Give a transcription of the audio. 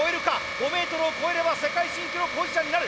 ５メートルを超えれば世界新記録保持者になる。